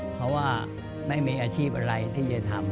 เพราะว่าไม่มีอาชีพอะไรที่จะทำ